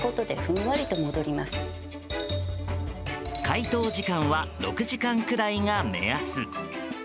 解凍時間は６時間くらいが目安。